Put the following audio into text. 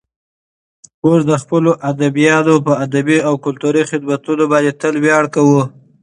موږ د خپلو ادیبانو په ادبي او کلتوري خدمتونو باندې تل ویاړ کوو.